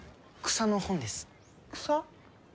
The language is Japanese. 草！？